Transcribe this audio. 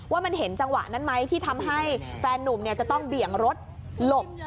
ว่ามันเห็นจังหวะนั้นไหมที่ทำให้แฟนนุ่มจะต้องเบี่ยงรถหลบ